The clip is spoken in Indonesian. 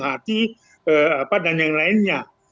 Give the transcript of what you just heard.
ada yang mati dan yang lainnya